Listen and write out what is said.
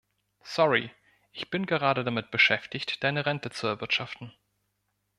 Sorry, ich bin gerade damit beschäftigt, deine Rente zu erwirtschaften.